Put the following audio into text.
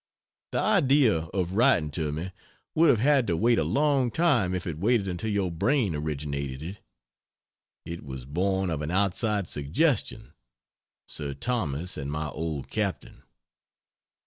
The idea of writing to me would have had to wait a long time if it waited until your brain originated it. It was born of an outside suggestion Sir Thomas and my old Captain.